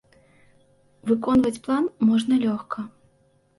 Выконваць план можна лёгка.